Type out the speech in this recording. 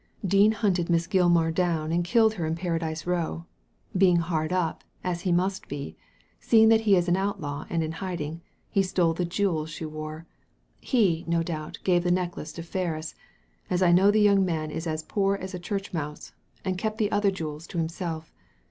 "Dean hunted Miss Gilmar down and killed her in Paradise Row. Being hard up, as he must be, seeing that he is an outlaw and in hiding, he stole the jewels she wore. He, no doubt, gave the necklace to Ferris, as I know the young man is as poor as a church mouse, and kept the other jewels to himself.